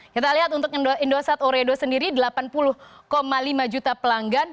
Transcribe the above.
kita lihat untuk indosat oredo sendiri delapan puluh lima juta pelanggan